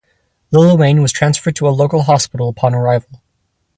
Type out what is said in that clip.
Lil Wayne was transferred to a local hospital upon arrival.